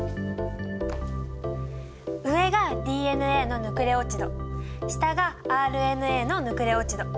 上が「ＤＮＡのヌクレオチド」下が「ＲＮＡのヌクレオチド」。